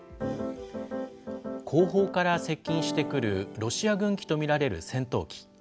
後方から接近してくるロシア軍機と見られる戦闘機。